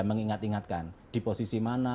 mengingat ingatkan di posisi mana